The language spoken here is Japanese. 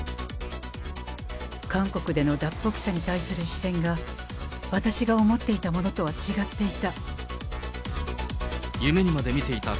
韓国での脱北者に対する視線が、私が思っていたものとは違っていた。